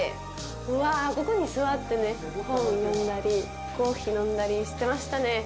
うわあ、ここに座って本を読んだりコーヒー飲んだりしてましたね。